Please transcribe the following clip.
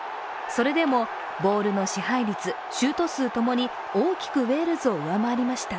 それでもボールの支配率、シュート数共に大きくウェールズを上回りました。